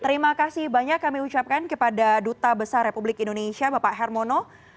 terima kasih banyak kami ucapkan kepada duta besar republik indonesia bapak hermono